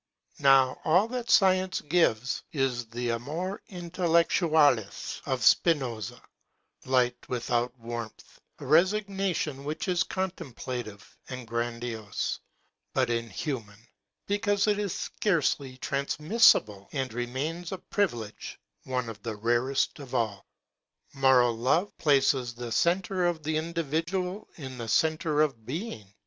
Now, all that science gives is the amor intellectualis of Spinoza, light without warmth, a resigna tion which is contemplative and grandiose, but inhuman, because it is scarcely trans missible and remains a privilege, one of the rarest of all. Moral love places the centre of the individual in the centre of being.